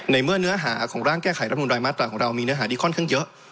ในเมื่อเนื้อหาของร่างแก้ไขรัฐมนรายมาตราของเรามีเนื้อหาที่ค่อนข้างเยอะ